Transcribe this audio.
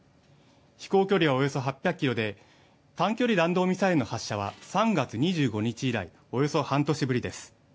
飛行距離はおよそ８００ｋｍで短距離弾道ミサイルの発射は３月２５日以来、およそ半年ぶりです。